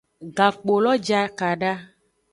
Gakpolo je akada.